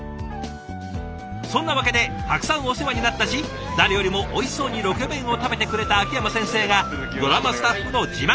そんなわけでたくさんお世話になったし誰よりもおいしそうにロケ弁を食べてくれた秋山先生がドラマスタッフの自慢！